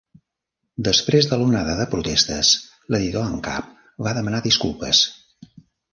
Després de l'onada de protestes, l'editor en cap va demanar disculpes.